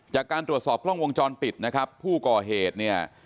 จากการตรวจสอบคล่องวงจรปิดผู้ก่อเหตุ